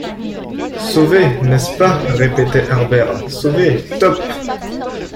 Sauvé, n’est-ce pas répétait Harbert, sauvé, Top